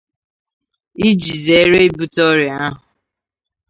iji zeere ibute ọrịa ahụ.